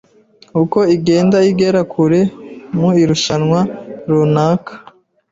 uko igenda igera kure mu irushanwa runaka,